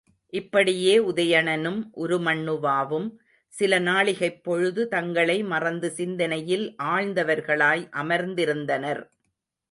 இப்படியே உதயணனும் உருமண்ணுவாவும் சில நாழிகைப்போது தங்களை மறந்து சிந்தனையிலே ஆழ்ந்தவர்களாய் அமர்ந்திருந்தனர்.